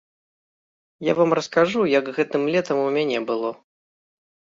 Я вам раскажу, як гэтым летам у мяне было.